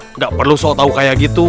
enggak perlu sok tau kayak gitu